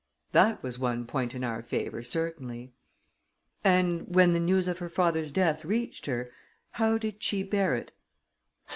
That was one point in our favor certainly. "And when the news of her father's death reached her, how did she bear it?"